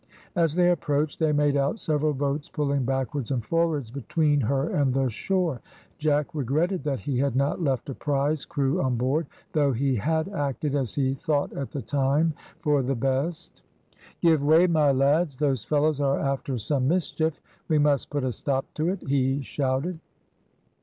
As they approached, they made out several boats pulling backwards and forwards between her and the shore. Jack regretted that he had not left a prize crew on board, though he had acted, as he thought at the time, for the best. "Give way, my lads, those fellows are after some mischief, we must put a stop to it," he shouted.